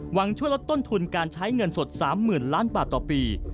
ช่วยลดต้นทุนการใช้เงินสด๓๐๐๐ล้านบาทต่อปี